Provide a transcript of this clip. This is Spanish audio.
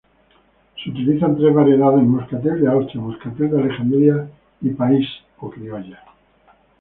Se utilizan tres variedades: moscatel de Austria, moscatel de Alejandría y País o Criolla.